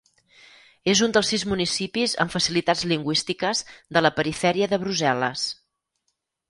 És un dels sis municipis amb facilitats lingüístiques de la perifèria de Brussel·les.